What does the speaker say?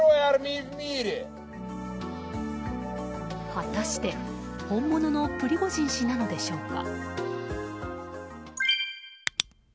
果たして、本物のプリゴジン氏なのでしょうか。